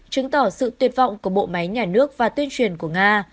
chứng tỏ sự tuyệt vọng của bộ máy nhà nước và tuyên truyền của nga